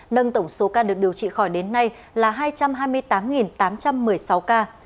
nâng tổng số ca được điều trị khỏi đến nay là hai trăm hai mươi tám tám trăm một mươi sáu ca